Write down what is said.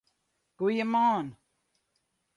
Goeiemoarn!